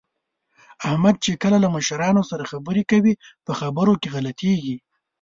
احمد چې کله له مشرانو سره خبرې کوي، په خبرو کې غلطېږي